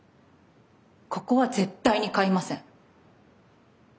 ここは絶対に買いません。